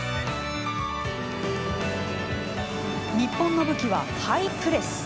日本の武器は「ハイプレス」。